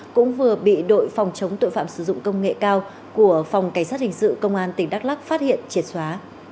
cũng vừa bị đội phòng chống tội phạm sử dụng công nghệ cao của phòng cảnh sát hình sự công an tỉnh đắk lắc phát hiện triệt xóa